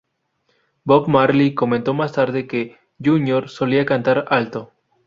Bob Marley comentó más tarde que ""Junior solía cantar alto.